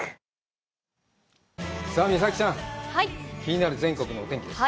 さあ、美咲ちゃん、気になる全国のお天気です。